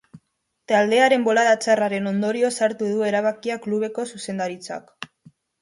Taldearen bolada txarraren ondorioz hartu du erabakia klubeko zuzendaritzak.